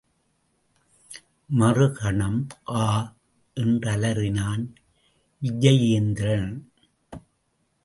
மறுகணம் ஆ! என்றலறினான் விஜயேந்திரன்!